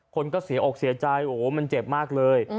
คนก็เสียอกเสียใจโอ้โหมันเจ็บมากเลย